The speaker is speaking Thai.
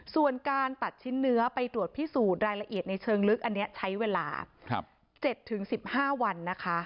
ส่วนการตัดชิ้นเนื้อไปตรวจพิสูจน์รายละเอียดในเชิงลึกอันนี้ใช้เวลา๗๑๕วันนะคะ